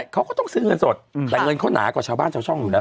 เขาก็ต้องซื้อเงินสดแต่เงินเขาหนากว่าชาวบ้านชาวช่องอยู่แล้ว